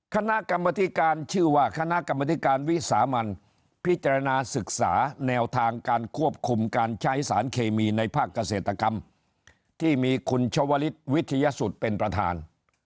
คณะกรรมธิการชื่อว่าคณะกรรมธิการวิสามันพิจารณาศึกษาแนวทางการควบคุมการใช้สารเคมีในภาคเกษตรกรรมที่มีคุณชวลิศวิทยาสุทธิ์เป็นประธาน